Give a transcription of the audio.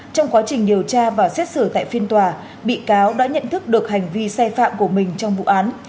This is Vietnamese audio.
trong quá trình điều tra và xét xử tại phiên tòa bị cáo đã nhận thức được hành vi sai phạm của mình trong vụ án